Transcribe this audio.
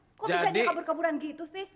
kok bisa dia kabur kaburan gitu sih